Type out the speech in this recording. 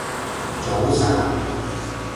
早晨